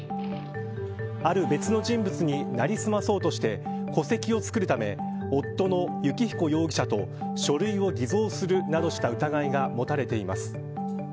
ある別の人物に成り済まそうとして戸籍を作るため夫の幸彦容疑者と書類を偽造するなどした疑いが持たれています。